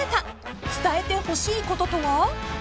［伝えてほしいこととは？］